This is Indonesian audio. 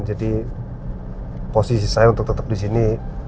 jadi posisi saya untuk tetap di sini